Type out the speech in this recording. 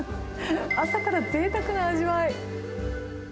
朝からぜいたくな味わい。